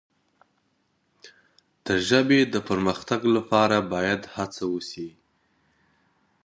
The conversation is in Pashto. د ژبې د پرمختګ لپاره باید هڅه وسي.